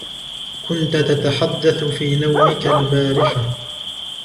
كنت تتحدث في نومك البارحة.